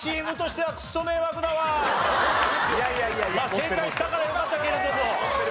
正解したからよかったけれども。